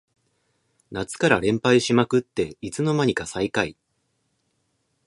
夏から連敗しまくっていつの間にか最下位